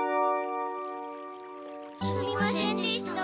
すみませんでした。